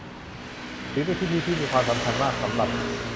ถือเป็นพิธีที่มีความสำคัญมากสำหรับ